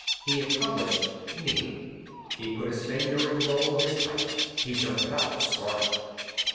He accomplished neither. He put his finger in the bowl of his pipe. He jerked it out, scorched.